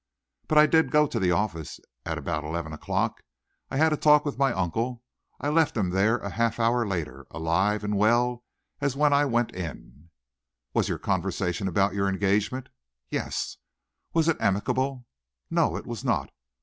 But I did go to the office at about eleven o'clock. I had a talk with my uncle, and I left him there a half hour later alive and well as when I went in." "Was your conversation about your engagement?" "Yes." "Was it amicable?" "No, it was not!